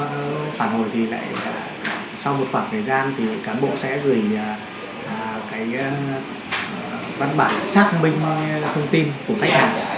các phản hồi thì lại sau một khoảng thời gian thì cán bộ sẽ gửi cái văn bản xác minh thông tin của khách hàng